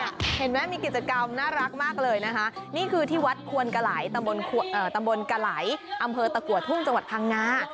เห็นไหมมีกิจกรรมน่ารักมากเลยนะคะนี่คือที่วัดควนกะไหลตำบลกะไหลอำเภอตะกัวทุ่งจังหวัดพังงา